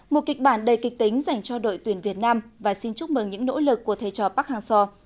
một kịch bản đầy kịch tính dành cho đội tuyển việt nam và xin chúc mừng những nỗ lực của thầy trò park hang seo